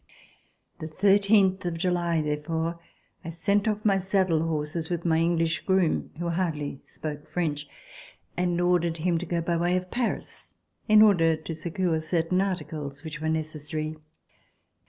The thirteenth of July therefore I sent off my saddle horses, with my English groom, who hardly spoke French, and ordered him to go by way of Paris in order to secure certain articles which were necessary.